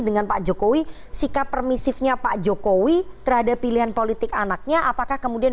dengan pak jokowi sikap permisifnya pak jokowi terhadap pilihan politik anaknya apakah kemudian